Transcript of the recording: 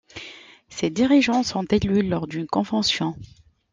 Ces dirigeants sont élus lors d’une convention.